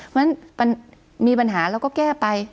เพราะฉะนั้นมันมีปัญหาเราก็แก้ไป